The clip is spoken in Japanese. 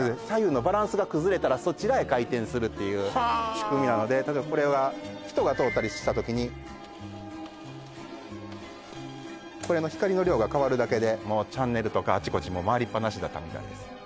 左右のバランスが崩れたらそちらへ回転するというはあ仕組みなので例えばこれは人が通ったりした時にこれの光の量が変わるだけでチャンネルとかあちこちもう回りっぱなしだったみたいです